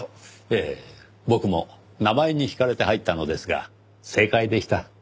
ええ僕も名前に惹かれて入ったのですが正解でした。